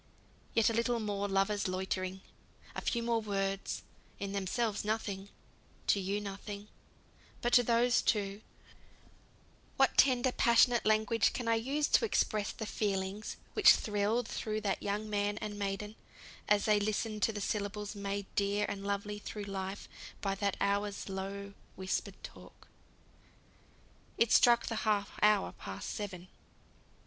Yet a little more lovers' loitering; a few more words, in themselves nothing to you nothing, but to those two what tender passionate language can I use to express the feelings which thrilled through that young man and maiden, as they listened to the syllables made dear and lovely through life by that hour's low whispered talk. It struck the half hour past seven.